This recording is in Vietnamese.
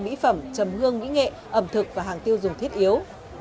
mỹ phẩm trầm hương nghĩa nghệ ẩm thực và hàng tiêu dùng thiết yếu